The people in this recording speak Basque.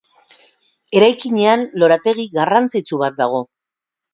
Eraikinean lorategi garrantzitsu bat dago.